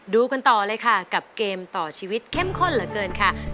ดูกันต่อเลยค่ะกับเกมต่อชีวิตเข้มข้นเหลือเกินค่ะ